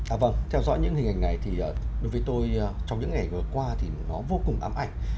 à vâng theo dõi những hình ảnh này thì đối với tôi trong những ngày vừa qua thì nó vô cùng ám ảnh